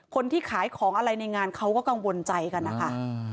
คนที่ขายของอะไรในงานเขาก็กังวลใจกันนะคะ